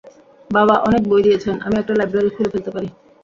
বাবা অনেক বই দিয়েছেন, আমি একটা লাইব্রেরি খুলে ফেলতে পারি।